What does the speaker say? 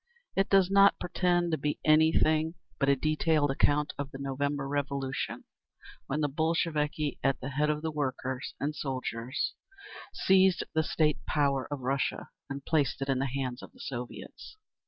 It does not pretend to be anything but a detailed account of the November Revolution, when the Bolsheviki, at the head of the workers and soldiers, seized the state power of Russia and placed it in the hands of the Soviets.